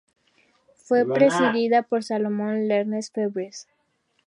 Fue presidida por Salomón Lerner Febres.